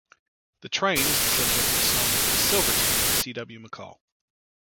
The train is the subject of the song "The Silverton", by C. W. McCall.